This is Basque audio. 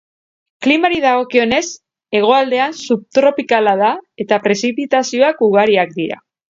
Klimari dagokionez, hegoaldean subtropikala da, eta prezipitazioak ugariak dira.